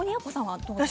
どうですか。